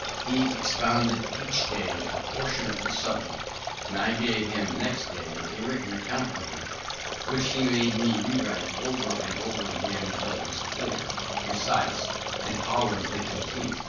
He expounded each day a portion of the subject, and I gave him next day a written account of it, which he made me rewrite over and over again until it was clear, precise, and tolerably complete.